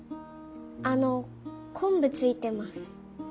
あのこんぶついてます。